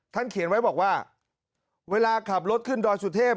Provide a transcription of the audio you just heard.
เขียนไว้บอกว่าเวลาขับรถขึ้นดอยสุเทพ